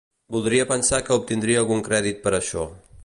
Voldria pensar que obtindria algun crèdit per això.